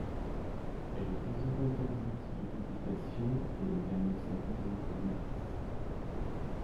Elle est toujours interdite de publication et gagne sa vie dans le commerce.